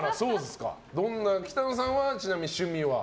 北乃さんはちなみに趣味は？